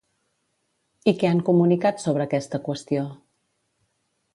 I què han comunicat sobre aquesta qüestió?